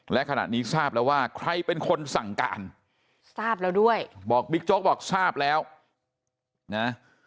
และขณะนี้ทราบแล้วว่าใครเป็นคนสั่งการทราบแล้วด้วยบอกบิ๊กโจ๊กบอกทราบแล้วนะ